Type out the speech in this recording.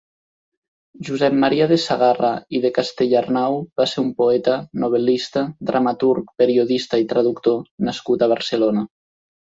Josep Maria de Sagarra i de Castellarnau va ser un poeta, novel·lista, dramaturg, periodista i traductor nascut a Barcelona.